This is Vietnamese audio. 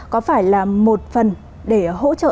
có phải là một phần để hỗ trợ